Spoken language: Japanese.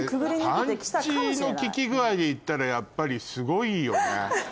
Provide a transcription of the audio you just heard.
パンチの効き具合でいったらやっぱりすごいよね。